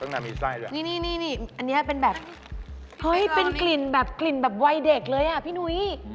ไส้เลยนี่นี่อันนี้เป็นแบบเฮ้ยเป็นกลิ่นแบบกลิ่นแบบวัยเด็กเลยอ่ะพี่นุ้ย